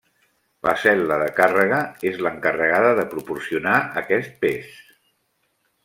La cel·la de càrrega és l'encarregada de proporcionar aquest pes.